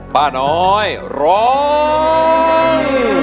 ป้าน้อยร้อง